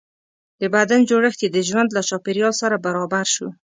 د بدن جوړښت یې د ژوند له چاپېریال سره برابر شو.